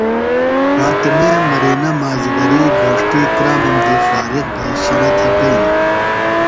فاطمے مرینہ مازِگری گھوݜٹی کرامم دی فارغ بھےۡ شنہ تھےۡ بئینِم۔